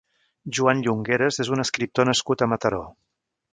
Joan Llongueras és un escriptor nascut a Mataró.